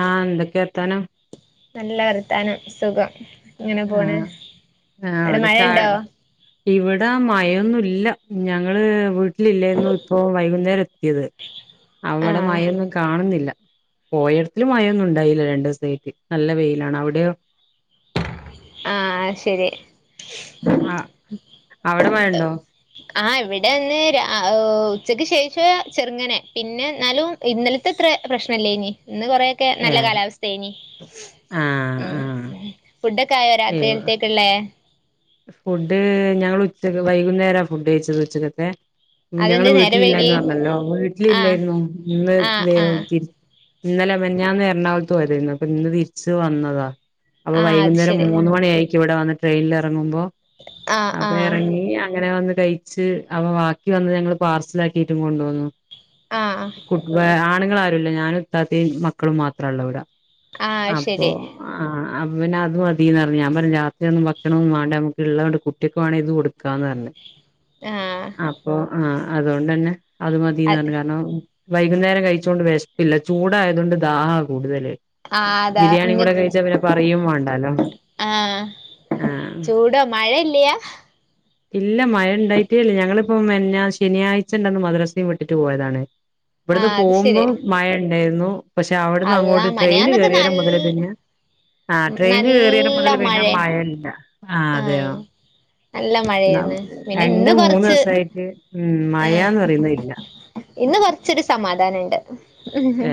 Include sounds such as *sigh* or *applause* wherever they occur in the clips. ആഹ്, എന്തൊക്കെ വർത്താനം? നല്ല വർത്താനം. സുഖം ഇങ്ങനെ പോണ്. ആഹ് അവെടെ മഴണ്ടോ? ഇവെടാ മഴയൊന്നും ഇല്ല. ഞങ്ങള് വീട്ടിലില്ല്യായ്ന്നു ഇപ്പൊ വൈകുന്നേരം ത്തിത് അവെടെ ആഹ് മയയൊന്നും കാണുന്നില്ല. പോയോട്ത്തിലും മയയൊന്നും ഉണ്ടായില്ല രണ്ടൂസ്ത്തേയ്ക്ക്. നല്ല വെയിലാണ്. അവ്ടെയോ? ആഹ് അയ് ശെരി. ആഹ്, അവെടെ മഴണ്ടോ? ആഹ്, ഇവിടെന്ന് രാ ആഹ് ഉ ഉച്ചക്ക് ശേഷം ചെറ്ങ്ങനെ. പിന്നെ ന്നാലും. ഇന്നല്ത്തെ ത്രെ പ്രശ്നല്ലേനി. ഇന്ന് കൊറേ ക്കെ നല്ല ഏഹ് കാലാവസ്ഥേനി. ആഹ് ആഹ് ഏഹ് ഫുഡെക്കെ ആയോ രാത്രികൽത്തേക്ക്ള്ളേ? ഫുഡ് ഞങ്ങള് ഉച്ചക്ക് വൈകുന്നേരാ ഫുഡ് കഴിച്ചത് ഉച്ചക്കത്തെ. അതെന്ത് ഞങ്ങള് നേരം വൈകി വീട്ടിലില്ലായിന്നു അർഞ്ഞല്ലോ ഞങ്ങള് ആഹ് വീട്ടിലില്ലായിരുന്നു. ഇന്ന് ആഹ് മേ ആഹ് തിര് ഇന്നലെ മിനിഞ്ഞാന്ന് എർണാകൊൾത്ത് പോയ തേര് രുന്നു. അപ്പൊ ഇന്ന് തിരിച്ച് വന്നതാ. അപ്പൊ ആഹ് അത് വൈകുന്നേരം ശരി മൂന്ന് മണിയായിക്കും ഇവെടെ വന്ന് ട്രെയിൻലെറങ്ങുമ്പോ. ആഹ് അപ്പ ആഹ് എറങ്ങി. അങ്ങനെ വന്ന് കഴി ച്ച് അവ ബാക്കി വന്നത് ഞങ്ങെള് പാർസൽലാക്കിട്ടും കൊണ്ടുവന്നു. ആഹ് ആഹ് കു ആണുങ്ങൾ ആരുല്ല. ഞാനും ഇത്താത്തയും മക്കളും മാത്രള്ളു ഇവെടെ. ആഹ് അപ്പൊ ശരി ആഹ് അപ്പ പിന്നെ അത് മതീന്ന് പറഞ്ഞ്. ഞാ പറഞ്ഞ് രാത്രി ഒന്നും വെക്കെണയൊന്നും വേണ്ട. നമുക്ക് ഉള്ളത് കൊണ്ട് കുട്ടികക്ക് വേണേ ഇത് കൊടുക്ക്. ക്കാന്ന് പറഞ്ഞ്. ആഹ് അപ്പൊ ആവൺഹ് അതോണ്ടെന്നെ. അത് മതീന്ന് പറഞ്ഞ്. കാരണം വൈകുന്നേരം കഴിച്ചൊണ്ട് വിശപ്പില്ല. ചൂടായതുകൊണ്ട് ദാഹമാ കൂടുതല്. ആഹ് അതാ ബിരിയാണി കൂടെ ഇങ്ങക്ക് കഴിച്ചാ പിന്നെ പറയും വാണ്ടാലോ. ആഹ് ചൂടോ മഴയില്യാ. ഇല്ല മഴ ഉണ്ടായിട്ടേട്ടില്ല. ഞങ്ങെളിപ്പം മിനിഞ്ഞാന്ന് ശനിയാഴ്ച ഉണ്ടെന്ന് മദ്രസയും വിട്ടിട്ട് പോയതാണ്. ഇവെടുന്ന് ആഹ് അത് പോമ്പോ ശരി മഴ ഉണ്ടായിരുന്നു. പക്ഷെ അവിടുന്ന് അള്ളാ അങ്ങോട്ട് ട്രെയിൻ മനിയാന്നൊക്കെ നൽ കേറിയേരം മൊതല് തന്നെ. ആ ട്രെയിന് കേറിയടം നല്ല മൊതല് പിന്നെ മഴേ മഴയില്ല. ആ അതെയോ. ആഹ് നല്ല മഴയായിന്ന്. പിന്നെ രണ്ട് ഇന്ന് മൂന്ന് കൊറെച്ച് ദിവസായിട്ട് ഉം ഏഹ്. മഴാന്ന് പറയുന്നേയില്ല ഇന്ന് കൊറെച്ചൊരു സമാധാനണ്ട്. ഏ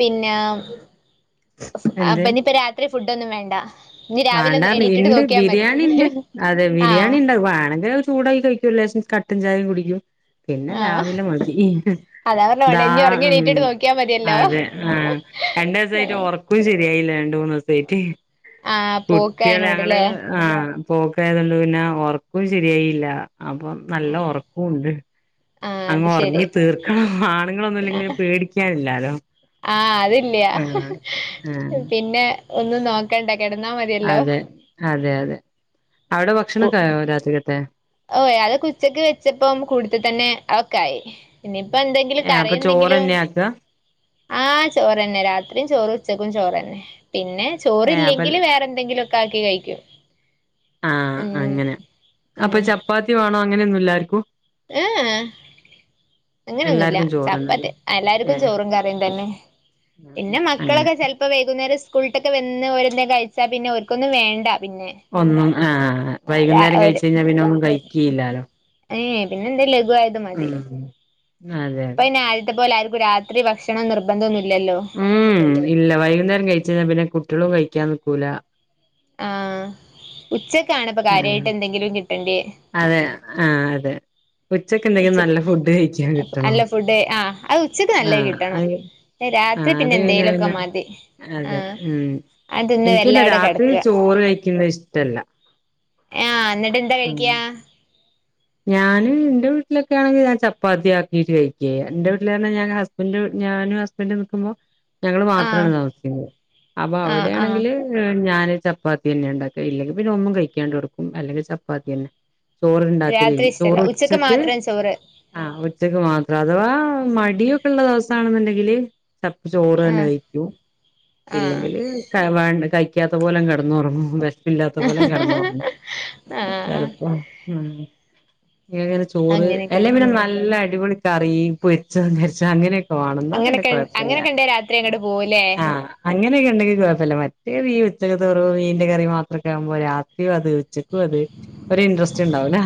പിന്നെ എന്ത് പ്പനിയിപ്പ രാത്രി ഫുഡൊന്നും വേണ്ടാ? വേണ്ടാ നിണ്ട് ബിരിയാണിണ്ട്. അതെ ആഹ് ബിരിയാണി ഉണ്ട്. വേണങ്കിൽ അത് ചൂടാക്കി കഴിക്ക്. ലേശം കട്ടൻ ചായയും കുടിക്കും. പിന്നെ ആഹ് രാവിലെ മതി. അതാ പറഞ്ഞ ദ വേണ്ട ഇനി ഒറങ്ങി ഉം എണീറ്റിട്ട് നോക്കിയാ മതിയല്ലോ അതെ. ആഹ് രണ്ടു ദിവസായിട്ട് ഒറക്കുവും ശരിയായില്ല. രണ്ട് മൂന്ന് ദിവസായിട്ട്. ആഹ് കുട്ടികൾ ഞങ്ങെള് പോക്കായനോടല്ലേ ആഹ് പോക്കായതുകൊണ്ട് പിന്നെ ഉറക്കുവും ശരിയായില്ല. അപ്പം നല്ല ഉറക്കവും ഒണ്ട്. ആഹ് അങ്ങ് അത് ശരി ഉറങ്ങി തീർക്കണം. ആണുങ്ങളൊന്നും ഇല്ലെങ്കിൽ പേടിക്കാനില്ലാലോ. ആഹ് അതില്യാ. ആഹ് ആഹ് പിന്നെ ഒന്ന് നോക്ക ണ്ട കെടന്നാ മതിയല്ലോ. അതെ അതെ അതെ അവിടെ ഭക്ഷണൊക്കായോ രാത്രിക്കത്തെ ഓ അതൊക്കുച്ചക്ക് വെച്ചപ്പം കൂട്ടത്ത് തന്നെ അതൊക്കായി ഇനിയിപ്പെന്തെങ്കിലും ഏഹ് കറി അപ്പൊ എന്തെങ്കിലും ചോറന്നെ ആക്ക ആഹ് ചോറെന്നെ രാത്രിം ചോറ് ഉച്ചക്കും ചോറെന്നെ പിന്നെ ഏഹ് അപ്പൊ ചോറില്ലെങ്കില് വേറെന്തെങ്കിലും കാക്കി കയിക്കും ആഹ് ഉം അങ്ങനെ അപ്പൊ ഉം ചപ്പാത്തി വേണം അങ്ങനൊന്നുല്ലെ ആര്ക്കും? ഏ ഏഹ് അങ്ങനൊന്നുല്ല എല്ലാർക്കും ചോറന്നല്ലേ ചപ്പാത്തി അ എല്ലാർക്കും ഏഹ് ചോറും കറിയും തന്നെ പിന്നെ അങ്ങനെ മക്കളൊക്കെ ചെൽ ഇപ്പ വൈകുന്നേരം സ്കൂള്ട്ടൊക്കെ വന്ന് ഓരെന്തേ കഴിച്ചാ പിന്നെ ഓര്ക്കൊന്നും വേണ്ട പിന്നെ ഒന്നും ആഹ് ആഹ് രാ വൈകുന്നേരം ഒര് കഴിച്ചയ്ഞ്ഞാ പിന്നെ ഒന്നും കയ്ക്കീല്ലാലോ ഏഹ് പിന്നെന്തേ ലഘു ആയത് ഉം അതെ അതെ ഇപ്പയ്ന് ആദ്യത്തെ പോലെ ആർക്കും രാത്രി ഭക്ഷണം നിർബന്ധൊന്നുല്ലല്ലോ ഉം ഇല്ല വൈകുന്നേരം കഴിച്ചയ്ഞ്ഞാ പിന്നെ കുട്ടികളും കഴിക്കാൻ നിക്കൂല ആഹ് ഉച്ചക്കാണ്പ്പൊ ആഹ് കാര്യായിട്ട് എന്തെങ്കിലും കിട്ടണ്ടേ അതെ ആഹ് അതെ ഉച്ചക്കെന്തെങ്കിലും നല്ല ഉച്ചക്ക് ഫുഡ് കയിക്കാൻ കിട്ടണം നല്ല ഫുഡ് ആഹ് അത് ഉച്ചക്ക് നല്ലത് ആഹ് കിട്ടണം അയ് രാത്രി ആഹ് പിന്നെ അത് എന്തേലൊക്കെ കഴിഞ്ഞാപ്പിന്നെ. മതി അതെ ആഹ് ഉം. അത് തിന്ന് എനിക്ക് എല്ലാം പിന്നെ അവിടെ രാത്രി കെടക്കുക ചോറ് കഴിക്കുന്നത്ഷ്ടല്ല ആഹ് എന്നിട്ടെന്താ കഴിക്കാ ഞാന് ഇന്റെ വീട്ടിലൊക്കാണെങ്കി ഞാൻ ചപ്പാത്തി ആക്കീട്ട് കഴിക്കായ്യ ഇന്റെ വീട്ടിലർഞ ഞാൻ ഹസ്ബൻഡ് ഞാനു ഹസ് ബൻഡും നിക്കുമ്പോ ഞങ്ങള് ആഹ് മാത്രാണ് താമസിക്കുന്നത് അപ്പൊ ആഹ് ആഹ് അവിടേണെങ്കില് ഉം ഞാന് ചപ്പാത്തി തന്നെ ഉണ്ടാക്ക ഇല്ലെങ്കി പിന്നെ ഒന്നും കഴിക്കാണ്ട് കെടക്കും അല്ലെങ്കി ചപ്പാത്തി തന്നെ ചോറ്ണ്ടാക്കല് രാത്രി ഇഷ്ടല്ല ഉച്ചക്ക് ചോറുച്ചക്ക് മാത്രം ചോറ് ആഹ് ഉച്ചക്ക് മാത്രം അഥവാ മടിയൊക്കെള്ള ദിവസാണ്ന്ന്ണ്ടെങ്കില് ചെപ്പം ചോറ് തന്നെ ആഹ് കയിക്കും ആഹ് ഇല്ലെങ്കില് ക വേണ്ട കഴിക്കാത്ത പോലങ്ങ് കെടന്നുറങ്ങും വെശ് പ്പില്ലാത്ത പോലങ്ങ് കെട്ന്നൊർങ്ങും ആഹ് ചലപ്പൊ ഉം ചോറ് അല്ലെ അങ്ങനെയൊക്കെയാണ് പിന്നെ നല്ല അടിപൊളി കറിം പൊരിച്ചതും കരിച്ച അങ്ങനൊ ഒണെന്നാ പിന്നെ അങ്ങനൊക്കെ കൊയ്പ്പല്ല അങ്ങനൊക്കെണ്ടേ രാത്രി അങ്ങോട്ട് പോവൂലേ ആഹ് അങ്ങനൊക്കെണ്ടെങ്കി കൊയ്പ്പല്ല മറ്റേ ഈ ഉച്ചക്കച്ചോറു മീന്റെ കറി മാത്രൊക്കെ ആവുമ്പോ രാത്രി അത് ഉച്ചക്കും അത് ഒരിൻ്ററസ്റ്റ് ഇണ്ടാവൂല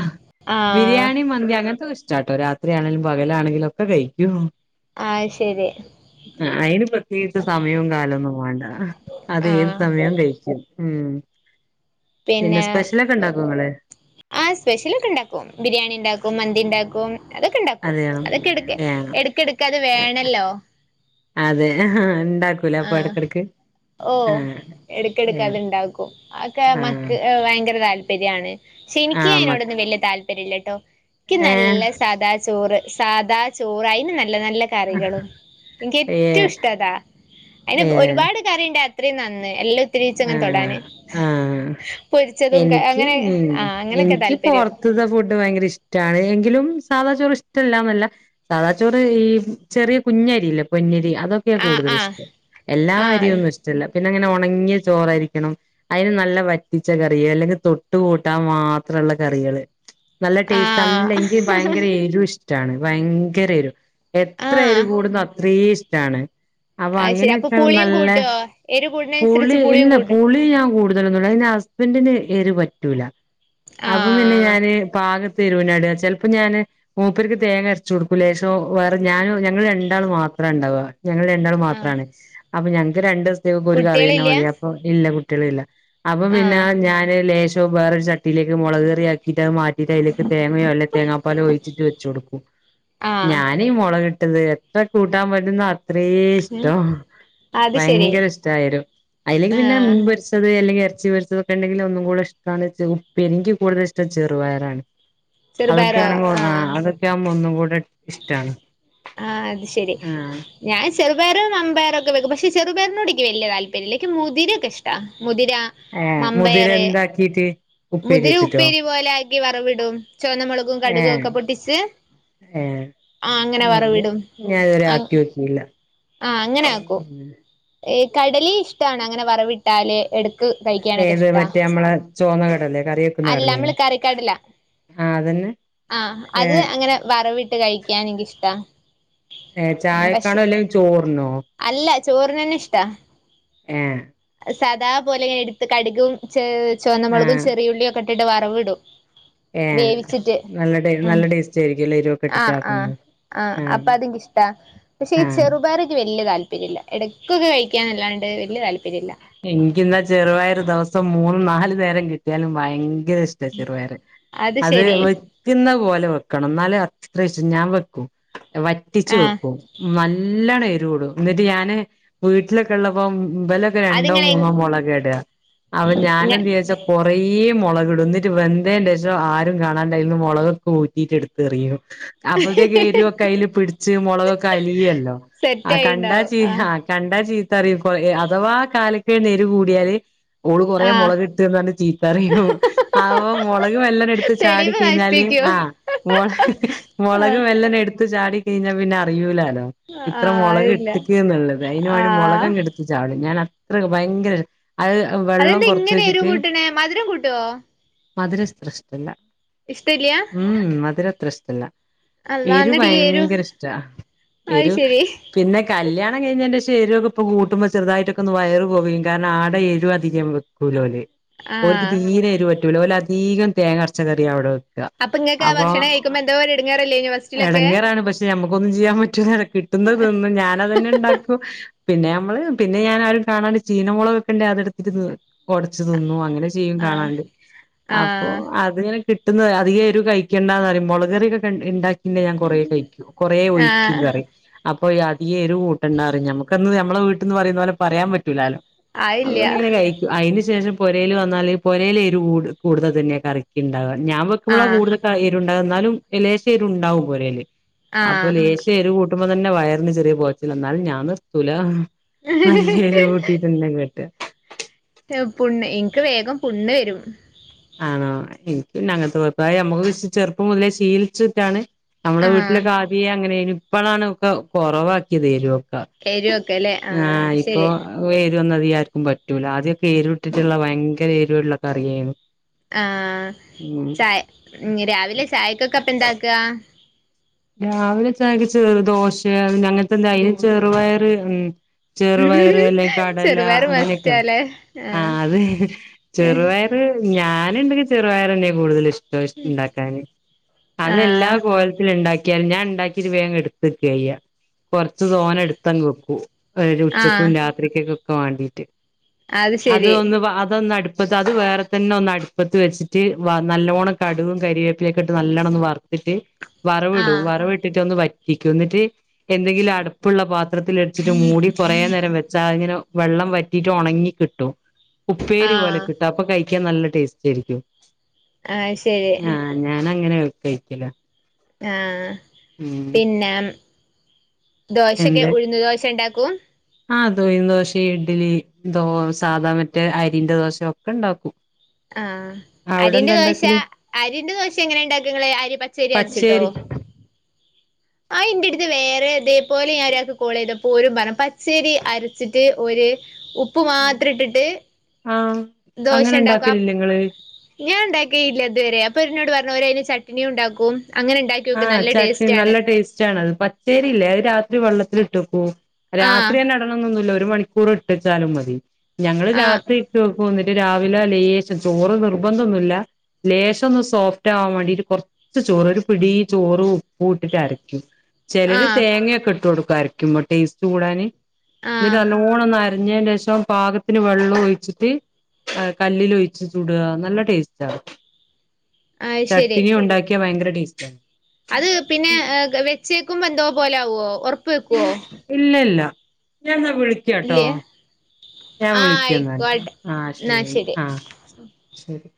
ആഹ് ബിരിയാണി മന്തി അങ്ങൻത്തൊക്കെ ഇഷ്ടാട്ടോ രാത്രിയാണേലും പകലാണെങ്കിലും ഒക്കെ കഴിക്കും ആഹ് ശരി അ അയ്ന് പ്രത്യേകിച്ച് സമയും കാലൊന്നും വാണ്ട അതേത് ആഹ് സമയും കയിക്കും ഉം പിന്നെ സ്പെഷ്യലൊക്കെണ്ടാക്കോ ഇങ്ങള് ആഹ് സ്പെഷ്യലൊക്കെണ്ടാക്കും ബിരിയാണിണ്ടാക്കും മന്തിണ്ടാക്കും അതൊക്കെണ്ടാക്കും അതെയോ അതൊക്കെട്ക്ക് ഏഹ് എട്ക്കെട്ക്കത് വേണല്ലോ അതെ ആഹ് ഉണ്ടാക്കൂലെ അപ്പെട്ക്കെട്ക്ക് ഓഹ് എട്ക്കെട്ക്കത്ണ്ടാക്കും അതൊക്കെ ആഹ് മക്ക് ഭയ്ങ്കര താല്പര്യാണ് പക്ഷെനിക്ക് ആഹ് മ അയ്നോടൊന്നും വല്ല്യ താല്പര്യല്ലട്ടോ ഇക്ക് ഏഹ് നല്ല സാദാ ചോറ് സാദാ ചോറ് അയ്ന് നല്ല നല്ല കറികളും ഇൻക്കേറ്റും ഏഹ് ഇഷ്ടതാ അയ്ന് ഏഹ് ഒരുപാട് കറിണ്ടായ അത്രിം നന്ന് എല്ലത്തിരീച്ചെങ്ങനെ ആഹ് തൊടാന് ആഹ് പൊരിച്ചതും ക എനിക്ക് അങ്ങനെ ഉം ആ അങ്ങനൊക്കെ എനിക്ക് താല്പര്യം പൊർത്ത്ത്തെ ഫുഡ് ഭയ്ങ്കരഷ് ടാണ് എങ്കിലും സാധാ ചോറ് ഇഷ്ടല്ലാന്നല്ല സാദാച്ചോറ് ഈ ചെറിയ കുഞ്ഞരില്ലെ പൊന്നരി അതൊ ക്കെ ആ ആ കൂടുതല്ഷ്ടം എല്ലാ ആ അര്യൊന്നും ഇഷ് ടല്ല പിന്നെങ്ങനെ ഒണങ്ങിയ ചോറായിരിക്കണം അയ്ന് നല്ല വറ്റി ച്ച കറി അല്ലെങ്കി തൊട്ട് കൂട്ടാൻ മാത്രള്ള കറികള് നല്ല ആ ടേസ്റ്റ് നല്ല ഇൻക് ഭയ്ങ്കര എരുഷ്ടാണ് ഭയ്ങ്കരെരു ആ എത്ര എരി കൂടുന്ന അത്രയും ഇഷ്ടാണ് അപ്പൊ അത് ശരി അപ്പൊ അങ്ങനെത്ര പുളിയും നല്ല കൂട്ടോ എരു കൂട്ണനുസരിച്ച് പുളി പുളിയും ഇല്ല കൂട്ടും പുളി ഞാൻ കൂടു ന്റെ ഹസ്ബന്റിന് എരി പറ്റൂല ആ അപ്പ പിന്നെ ഞാന് പാ കത്തിന് എരിവാ ഇട ചിലപ്പോ ഞാന് മൂപ്പർക്ക് തേങ്ങ അരചു കൊടുക്കൂ ലേശോ വേറെ ഞാൻ ഞങ്ങൾ രണ്ടാൾ മാത്ര ഉണ്ടാവ ഞങ്ങൾ ണ്ടാൾ ആ മാത്രമാണ് അപ്പൊ ഞങ്ങക്ക് രണ്ടു ദിവസത്തേക്ക് ഒരു കറിയന്ന കുട്ടികളില്ല മതി അപ്പൊ.. ഇല്ല കുട്ടികള് ഇല്ല അപ്പൊ പിന്നെ ആഹ് ഞാന് ലേശം വേറൊരു ചട്ടിയിലേക്ക് മുളകറിയാക്കി എന്നിട്ടത് മാറ്റിയിട്ട് അതിലേക്ക് തേങ്ങയോ അല്ല തേങ്ങാപ്പാലോ ഒഴിച്ചിട്ട് വെച്ചു കൊടുക്കും ആഹ് ഞാൻ മുളകിട്ടത് എത്ര കൂട്ടാൻ പറ്റുന്ന അത്ര ഇഷ്ട ഉം അത് ശരി ഭയങ്കര ഇഷ്ട എരിവ് അയ്ലേക്ക് പിന്നെ ആഹ് മീൻ പൊരിച്ച അല്ലെങ്കിൽ ഇറച്ചി പൊരിച്ചതൊക്കെ ഉണ്ടെങ്കിൽ ഒന്നും കൂടെ ഇഷ്ടമാണ് എനിക്ക് കൂടുതൽ ഇഷ്ടം ചെറുപയറാണ് ചെറുപയറോ അതൊക്കെയാണെങ്കിൽ ആഹ് അതൊക്കെ ആവുമ്പോ ഒന്നും കൂടെ ഇഷ്ടാണ് ആഹ് അത് ശരി ആഹ് ഞാൻ ചെറുപയറും വൻപയറും ഒക്കെ പക്ഷെ ചെറുപയറിനോട് നിക്ക് വലിയ താല്പര്യംല്ല ക്ക് മുതിരയക്കെ ഇഷ്ട മുതിര ഏഹ് മുതിര മമ്പയറ് എന്താക്കീട്ട്? മുതിര ഉപ്പേരി പോലെ ആക്കി വറവിടും ചോന്നമുളകും കടുകും ഒക്കെ പൊട്ടിച്ച് ഏഹ് ആഹ് അങ്ങനെ വറവിടും *unintelligible* ഞാൻ ഇതുവരെ ആക്കി നോക്കിയില്ല ആഹ അങ്ങനെ ആക്കും ഏഹ് കടലേം ഇഷ്ടാണ് അങ്ങനെ വറവിട്ടാല് എടുത്ത് കഴിക്കാനൊക്കെ ഏത് ഇഷ്ടാ മറ്റേ നമ്മളെ ചോന്ന കടലേ കറി വെക്കുന്ന അല്ല കടലയോ അമ്മള് കറിക്കടല ആ അതന്നെ ആഹ ഏ അത് അങ്ങനെ വറവിട്ട് കഴിക്കാൻ എനിക്ക് ഇഷ്ടാ ഏഹ് ചായക്കാണോ അല്ലെങ്കിൽ ചോറിനോ അല്ല ചോർനെന്നെ ഇഷ്ടാ ഏഹ് സാധാ പോലെ ഇങ്ങനെ എടുത്ത് കടുകും ചെ ആ ചോന്നമുളകും ചെറിയുള്ളിയും ഒക്കെ ഇട്ടിട്ട് വറവ് ഇടും ഏഹ് നല്ല ഉം നല്ല ടേസ്റ്റ് ആയിരിക്കുംല്ലെ എരുവൊക്കെ ഇട്ടിട്ടാക്കുമ്പോ ആഹ അപ്പൊ അത് ഇനിക്കിഷ്ടാ പക്ഷെ ഈ ആഹ് ചെറുപയറ് ഇനിക്ക് വല്യ താല്പര്യമില്ല ഇടക്കൊക്കെ കഴിക്കാന്നല്ലാണ്ട് വല്യ താല്പര്യല്ല ഇനിക്ക്ന്നാ ചെറുപയർ ദിവസം മൂന്ന് നാല് നേരം കിട്ട്യാലും ഭയങ്കര ഇഷ്ട ചെറുപയർ അത് വെക്ക്ന്ന പോലെ വെക്കണം ഇന്നാലേ അത്രശം ഞാൻ വെക്കും വറ്റിച്ചു ആഹ് വെക്കും നല്ലോണം എരും ഇടും ഇന്നിട്ട് ഞാന് വീട്ടിലൊക്കെ ഇള്ളപ്പോ ഇവലെ രണ്ടോ അതിങ്ങനെ മൂന്നോ മൊളകാ ഇടാ അപ്പൊ ഞാൻ ഇങ്ങ എന്തെയ്യച്ചാ കൊറേ മൊളകിടും ഇന്നിട്ട് വെന്തേന്റെശം ആരും കാണാണ്ടെ അയിന്ന് മുളകൊക്കെ ഊറ്റിട്ട് ഇടുത്ത് എറിയും അപ്പത്തേക്ക് എരുവൊക്കെ അയില് പിടിച്ച് മുളകൊക്കെ അലിയുല്ലോ സെറ്റ് ആഹ് കണ്ടാ ആയിണ്ടാവും ച്ചി ആഹ് കണ്ടാ ചീത്തറിയും അഥവാ കാലക്കേടിനു എരു കൂടിയാല് ഓള് കൊറേ ആഹ് മുളക് ഇട്ട്ന്ന് പറഞ്ഞ് ചീത്തറിയും അപ്പൊ മുളക് മെല്ലെനെ ഇടുത്ത് ചാടി തെളിവ് കഴിഞ്ഞാല് നശിപ്പിക്കൂ ആഹ് മുള മുളക് ആഹ് മെല്ലെനെ എടുത്ത് ചാടി കഴിഞ്ഞാ പിന്നെ അറിയൂലാലോ ഇത്ര ആഹ് മുളക് ഇല്ല ഇട്ട്ക്ക്ന്നുള്ളത് അതിന് വേണ്ടി ആഹ് മുളകങ്ങ് ഇടുത്ത് ചാടും ഞാൻ അത്രക്ക് ഭയങ്കര അത് വെള്ളം അതെന്താ കുറച്ച് ഇങ്ങനെ എരിവ് വെച്ചിട്ട് കൂട്ടണേ മധുരം കൂട്ടുവോ മധുരത്ര ഇഷ്ടല്ല ഇഷ്ടല്യ ഉം ഉം മധുരത്ര ഇഷ്ടല്ല എരു എന്നിട്ട് ഈ എരിവ് ഭയങ്കര ഇഷ്ട അത് എരു ശരി പിന്നെ കല്യാണം കഴിഞ്ഞെന്റെശം എരു ഒക്കെ ഇപ്പോ കൂട്ടുമ്പോ ചെറുതായിട്ട് വയറ് പൊകയും കാരണം ആടെ എരു അധികം വെക്കൂല ഓല് ഓർക്ക് ആഹ് തീരെ എരു പറ്റൂല ഓല് അധികം തേങ്ങ അരച്ച കറിയാ അവിടെ വെക്കുക അപ്പൊ ഇങ്ങക്കാ ഭക്ഷണം അപ്പൊ കഴിക്കുമ്പോ എന്തോ ഒരു ഇടങ്ങറല്ലേനൊ ഫസ്റ്റ്ലൊക്കെ ഞമ്മുക്കൊന്നും ചെയ്യാൻ പറ്റൂല്ലല്ലോ കിട്ടുന്ന തിന്നും ഞാനതെന്നെ ഇണ്ടാക്കും പിന്നെ നമ്മള് പിന്നെ ഞാന് ആരും കാണാണ്ട് ചീന മുളക്കൊക്കെ ഇണ്ടേ അതെടുത്ത്ട്ട് ഒടച്ച് തിന്നും അങ്ങനെ ചെയ്യും ആഹ് കാണാണ്ട് അപ്പൊ ആഹ് അത്ങ്ങനെ കിട്ടുന്നത് അധികം എരു കഴിക്കണ്ടാന്ന് പറയും മുളകറിയക്കെ ഇണ്ടാക്കി ഇണ്ടേ ഞാൻ കൊറേ കയിക്കും കൊറേ ഒയിക്കും ആഹ് കറി അപ്പൊ അധികം എരു കൂട്ടണ്ടാറിയും ഞമ്മക്കന്ന് ഞമ്മളെ വീട്ട്ന്ന് പറയുന്ന പോലെ പറയാൻ പറ്റൂലാലോ അത്‌ അതില്ല പിന്നെ ഇങ്ങനെ കഴിക്കും അയിന്റെ ശേഷം പൊരേൽ വന്നാല് പോരേല് എരു കൂടു കൂടുതൽ തന്നെ കറിക്കിണ്ടാവ ഞാന് വെ ക്കുമ്പളാ ആഹ് കൂടുതൽ എരുണ്ടാവ ഇന്നാലും ലേശം എരുണ്ടാവും പൊരേല് അപ്പൊ ആഹ് ലേശ എരു കൂട്ടുമ്പോ തന്നെ വയറിന് ചെറിയ പൊകച്ചിലാ ഇന്നാലും ഞാൻ നിർത്തൂല നല്ല എരു കൂട്ടിട്ടെന്നെ കേട്ടാ ഏഹ് പുണ്ണ് ഇൻക് വേഗം പുണ്ണ് വെരും ആണോ ഇൻക് പിന്നെ അങ്ങനത്തെ കൊഴപ്പല്ല അത് ഞമ്മക്ക് ചെറുപ്പം മുതലേ ശീലിച്ചിട്ടാണ് ഞമ്മളെ ആഹ് വീട്ടിലൊക്കെ ആദ്യേ അങ്ങനേനു ഇപ്പഴാണ് ഒക്കെ കൊറവാക്കിയതെരു ക്കേ എരുവൊക്കെല്ലേ ആഹ് അത് ഇപ്പോ ശരി വേരുവന്നതികാര്ക്കും പറ്റൂല അദ്യൊക്കെ ഏരുട്ടിട്ട്ള്ള വയങ്കരെ ഏരുവുള്ള കറിയേന്നു ആഹ് ചായ രാവിലെ ചായക്കൊക്കെ അപ്പൊ എന്താക്ക രാവിലെ ചായക്ക് ചെറു ദോശ അങ്ങൻത്തെന്തായിന് ചെറുപയറ് ഉം ചെറുപയറ് അല്ലെങ്കി കടല ചെറുപയർ അങ്ങനെക്കെണ് മസ്റ്റാല്ലേ ആഹ് അത് ചെറുപയറ് ഞാന് ണ്ടെങ്കി ചെറുപയറെന്നെ കൂടുതല് റ്റോഷ്റ്റ്ണ്ടാക്കാന് ആഹ് അതെല്ലാകോൽത്തില്ണ്ടാ ക്യാൽ ഞാൻണ്ടാക്കിറ്റ് വേങ്ങെട്ത്ത്ക്കായ്യ കൊർച്ച് തോനെ ട്ത്തങ് വക്കു ഒരു ഉച്ചക്കും ആഹ് രാത്രിക്കെകക്കെ വാണ്ടിറ്റ് അത് ഒന്ന് വാ അതൊന്നടു പ്പത്തെ അത് വേറെ തന്നെ ഒന്ന് അട്പ്പത്ത് വെച്ചിട്ട് വ നല്ലോണം കട്കും കരിവേപ്പിലെക്കെ ഇട്ട് നല്ലോണം ഒന്ന് വറ്ത്തിട്ട് വറവ്ടും ആഹ് വറവ്ട്ടിട്ട് ഒന്ന് വറ്റിക്കുന്നിട്ട് എന്തെങ്കിലു അട് പ്പ്ള്ള പാത്രത്തിലട്ച്ചിട്ട് മൂടി കൊറേ നേരം വെച്ചാ അത്ങ്ങനെ വെള്ളം വറ്റിട്ട് ഒണങ്ങി ക് ട്ടും ഉപ്പേരി പോലെ ആഹ് കിട്ടാ അപ്പൊ കയ്ക്യൻ നല്ല ടേസ്റ്റേരിക്യും ആഹ് ശേരി ആഹ് ഞാനങ്ങനെ കഴിക്കില ആഹ് പിന്നെ ദോശക്കെ എന്ത് ഉഴ്ന്ന് ദോശ ണ്ടാക്കും ആഹ് ദുഴിന്ന് ദോശേ ഇഡലി ദോ സാദാ മറ്റേ അരിന്റെ ദോശ ഒക്കെണ്ടാക്കും ആഹ് അരിന്റെ ദോശ ഉണ്ടാക്കല് അരിന്റെ ദോശ എങ്ങനെണ്ടാക്കങ്ങള് അരി പച്ചരി അര്ച്ചിട്ടോ പച്ചേരി അയിന്റട്ത്ത് വേറെ തേപോലെ ഞാനോരാക്ക് കോളിത ഓരും പറ പച്ചേരി അരച്ചിട്ട് ഓര് ഉപ്പ് മാത്രട്ടിട്ട് ആഹ് അങ്ങനെ ദോഷണ്ടാക്കും അപ് ഉണ്ടാക്കലില്ലേ ഇങ്ങള് ഞാൻണ്ടാക്കേയില്ലത്വരെ അപ്പൊ ഓര് ന്നോട് പർഞ്ഞു ഓരയ്ന് ചട്ട്ണിയു ണ്ടാക്കും അങ്ങനെ ഉണ്ടാക്കി നോക്ക് ആഹ് നല്ല ചട്ട്ൺ ടേസ്റ്റ് ആണ് നല്ല ടേസ്റ്റാണത് പ ച്ചേരില്ലേ അത് രാത്രി വെള്ളത്തിൽട്ടക്കും ആഹ് രാത്രി തന്നെ ട്ടണംന്നൊന്നുല്ല ഒരു മണിക്കൂർട്ടച്ചാലും മതി ഞങ്ങള് ആഹ് രാത്രി ഇട്ട് വെക്കും ന്നിട്ട് രാവിലെ ലേശം ചോറ് നിർബന്ധോന്നുല്ല ലേശൊന്ന് സോഫ്റ്റാവാംവാണ്ടിറ്റ് കൊർച്ച് ചോറ് പിടീ ചോറും ഉപ്പുഇട്ടിട്ടരക്യും ചെലര് ആഹ് തേങ്ങ്യക്കെഇട്ടോടുക്കു അര ക്യുമ്പോ ടേസ്റ്റ്കൂടാന് ന്നിട്ട് ആഹ് നല്ലൊണോന്ന് അര അര്ഞ്ഞേന്റെഷം പാകത്തിന് വെ ള്ളോയ്ച്ചിട്ട് ക കല്ലിലൊയ്ച്ച് ചൂടാ നല്ല ടേസ്റ്റാ അത് ശരി ചട്ടിനി ഉണ്ടാക്യ വയങ്കര ടേസ്റ്റാ അത് പിന്നെ ഗെ വെച്ചേക്കുമ്പോന്തോ പോലെ ആവോ ഒറപ്പ്ക്കോ ഇല്ലല്ല ഞാൻന്നാ വിളിക്യാട്ടോ ഇല്ലേ ഞാൻ ആഹ് വിളിക്യന്നാല് ആയിക്കോട്ടെ ആഹ് ശരി ആഹ് ശരി